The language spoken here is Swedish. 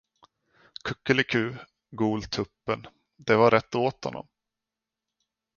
Kukeliku, gol tuppen, det var rätt åt honom.